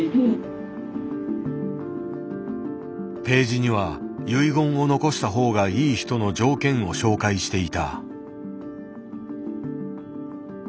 ページには遺言を残したほうがいい人の条件を紹介していた。